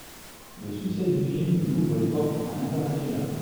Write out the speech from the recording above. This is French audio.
Le succès du film lui ouvre les portes à l'international.